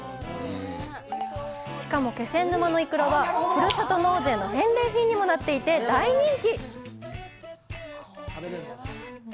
しかも気仙沼のイクラはふるさと納税の返礼品にもなっていて大人気！